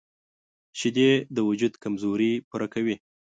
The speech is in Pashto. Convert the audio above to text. شیدې د وجود کمزوري پوره کوي